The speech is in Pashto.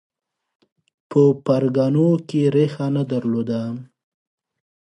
په پرګنو کې ریښه نه درلوده